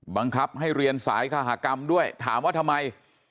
บังคับให้เรียนสายคาหากรรมด้วยถามว่าทำไม